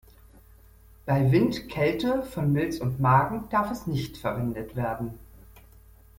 Bei Wind-Kälte von Milz und Magen darf es nicht verwendet werden.